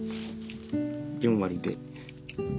「４割で‼」。